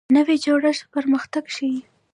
نوی جوړښت پرمختګ ښیي